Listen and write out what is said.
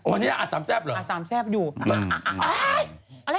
อันแล้วกับฉันนักหนาว